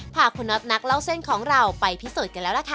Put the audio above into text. พาคุณน็อตนักเล่าเส้นของเราไปพิสูจน์กันแล้วล่ะค่ะ